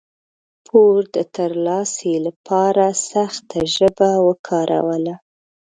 پور د ترلاسي لپاره سخته ژبه وکاروله.